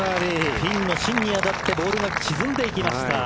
ピンの芯に当たってボールは沈んでいきました。